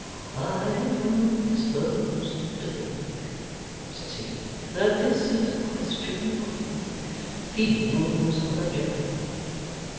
'I am disposed to think,' says he, 'that this is a question of the feelings of a gentleman.